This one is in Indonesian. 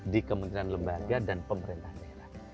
di kementerian lembaga dan pemerintah daerah